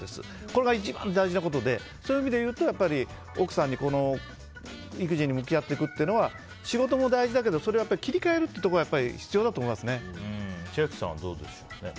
これが一番大事なことでそういう意味でいうと奥さんに、育児に向き合っていくというのは仕事も大事だけどそれを切り替えるというところが千秋さんはどうでしょう？